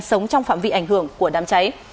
sống trong phạm vị ảnh hưởng của đám cháy